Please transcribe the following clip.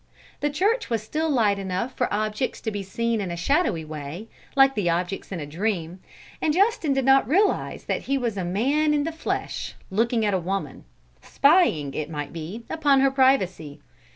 The church was still light enough for objects to be seen in a shadowy way, like the objects in a dream, and Justin did not realize that he was a man in the flesh, looking at a woman; spying, it might be, upon her privacy.